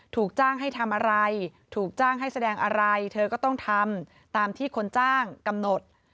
ถูกจ้างให้ทำอะไรถูกจ้างให้แสดงอะไรเธอก็ต้องทำตามที่คนจ้างกำหนด